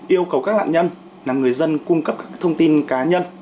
yêu cầu các lạng nhân người dân cung cấp các thông tin cá nhân